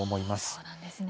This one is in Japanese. そうなんですね。